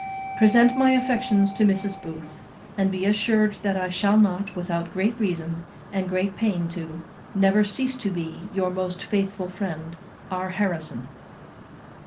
_ "Present my affections to Mrs. Booth, and be assured that I shall not, without great reason, and great pain too, ever cease to be, Your most faithful friend, "R. HARRISON."